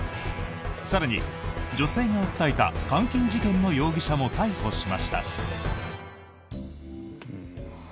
更に、女性が訴えた監禁事件の容疑者も逮捕しました。